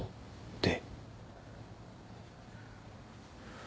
「で」